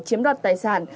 chiếm đoạt tài sản